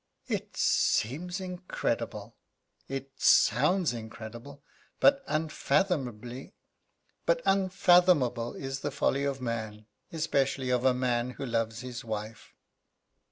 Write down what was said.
"It seems incredible!" "Its sounds incredible; but unfathomable is the folly of man, especially of a man who loves his wife."